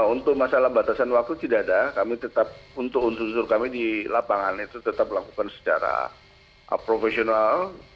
untuk masalah batasan waktu tidak ada kami tetap untuk unsur unsur kami di lapangan itu tetap melakukan secara profesional